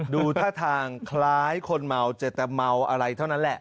ดูท่าทางคล้ายคนเมาจะแต่เมาอะไรเท่านั้นแหละ